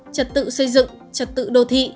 trật tự xây dựng trật tự đô thị